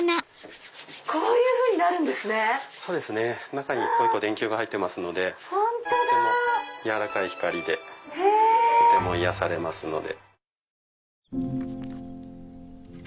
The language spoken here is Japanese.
中に一個一個電球が入ってますのでやわらかい光でとても癒やされますので。